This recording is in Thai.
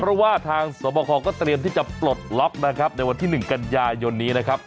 เพราะว่าทางสวบคก็เตรียมที่จะปลดล็อกนะครับในวันที่๑กันยายนนี้นะครับ